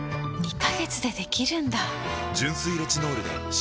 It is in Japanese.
２カ月でできるんだ！